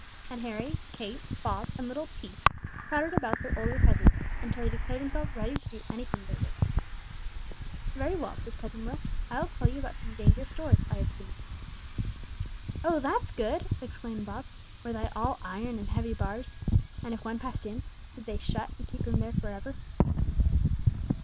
And Harry, Kate, Bob, and little Peace crowded about their older cousin until he declared himself ready to do anything they wished. "Very well," said Cousin Will. "I will tell you about some dangerous doors I have seen." "Oh, that's good!" exclaimed Bob. "Were they all iron and heavy bars? And if one passed in, did they shut and keep them there forever?"